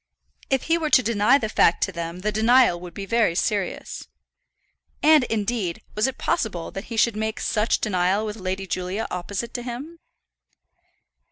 If he were to deny the fact to them the denial would be very serious. And, indeed, was it possible that he should make such denial with Lady Julia opposite to him?